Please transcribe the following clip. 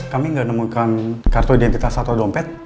kami nggak nemukan kartu identitas atau dompet